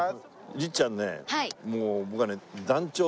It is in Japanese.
律ちゃんねもう僕はね団長と。